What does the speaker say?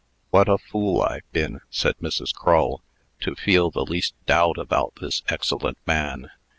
"What a fool I've been," said Mrs. Crull, "to feel the least doubt about this excellent man!